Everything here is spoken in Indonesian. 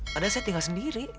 padahal saya tinggal sendiri